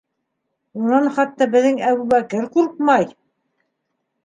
Унан хатта беҙҙең Әбүбәкер ҡурҡмай!